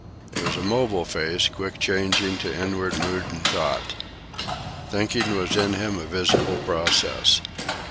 It was a mobile face, quick changing to inward mood and thought. Thinking was in him a visible process.